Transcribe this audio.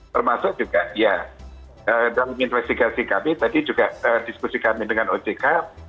termasuk juga ya dalam investigasi kami tadi juga diskusi kami dengan ojk